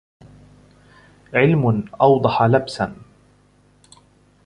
عِلْمٌ أَوْضَحَ لَبْسًا